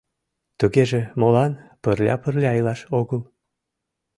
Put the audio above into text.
Тугеже молан пырля-пырля илаш огыл?